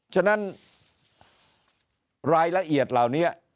ฉะนั้นรายละเอียดเหล่านี้